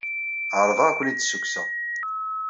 Ɛerḍeɣ ad ken-id-ssukkseɣ.